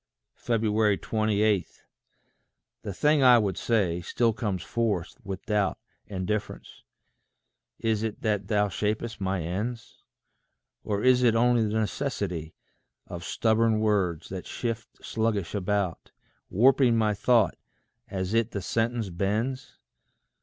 28. The thing I would say, still comes forth with doubt And difference: is it that thou shap'st my ends? Or is it only the necessity Of stubborn words, that shift sluggish about, Warping my thought as it the sentence bends?